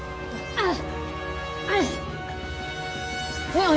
あっ！